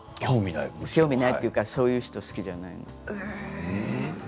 興味ないというかそういう人好きじゃない。